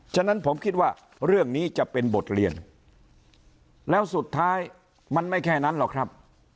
ฉะนั้นผมคิดว่าเรื่องนี้จะเป็นบทเรียนแล้วสุดท้ายมันไม่แค่นั้นหรอกครับ